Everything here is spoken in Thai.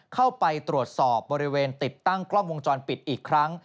เข้าไปตรวจสอบบริเวณติดตั้งกล้องวงจรปิดอีกครั้ง